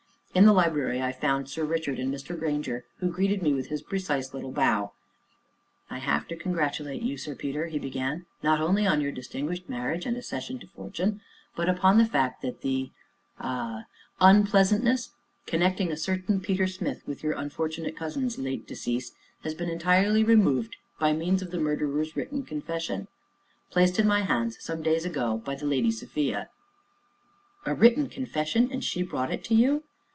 In the library I found Sir Richard, and Mr. Grainger, who greeted me with his precise little bow. "I have to congratulate you, Sir Peter," he began, "not only on your distinguished marriage, and accession to fortune, but upon the fact that the ah unpleasantness connecting a certain Peter Smith with your unfortunate cousin's late decease has been entirely removed by means of the murderer's written confession, placed in my hands some days ago by the Lady Sophia." "A written confession and she brought it to you?"